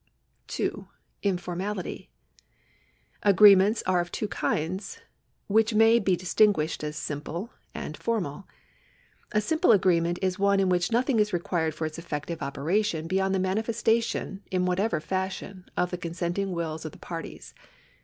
2. Informality. Agreements are of two kinds, which may be distinguished as simple and formal. A simple agreement is one in which nothing is required for its effective operation beyond the manifestation, in whatever fashion, of the consent ing wills of the parties.